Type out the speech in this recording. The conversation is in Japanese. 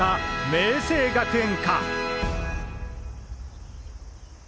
明青学園か！？